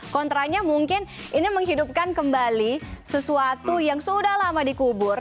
kontranya mungkin ini menghidupkan kembali sesuatu yang sudah lama dikubur